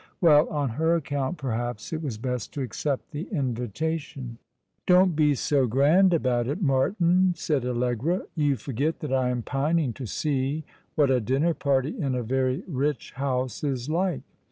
" Well, on her account, perhaps it was best to accept tiio invitation." ii6 All alono^ the River, i> "Don't be so grand about it, Martin," said Allegva. " ^on forget that I am pining to see what a dinner party in a very rich honse is like.